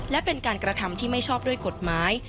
และเป็นการกระทำที่ไม่ชอบด้วยกฎหมาย